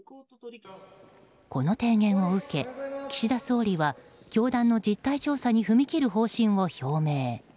この提言を受け岸田総理は教団の実態調査に踏み切る方針を表明。